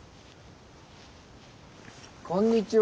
こんにちは。